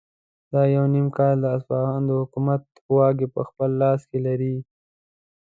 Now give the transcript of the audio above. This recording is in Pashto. ده یو نیم کال اصفهان د حکومت واکې په خپل لاس کې لرلې.